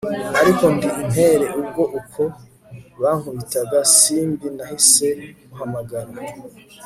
ariko ndi intere ubwo uko bankubitaga simbi nahise muhamagara